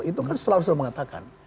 itu kan selalu sudah mengatakan